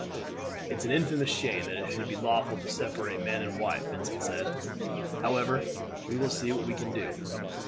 "It's an infamous shame that it should be lawful to separate man and wife," Vincent said. "However, we will see what we can do.